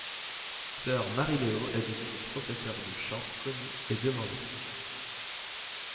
Sœur Mary Leo est devenue professeur de chant connue et demandée.